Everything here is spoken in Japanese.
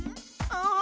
ああ。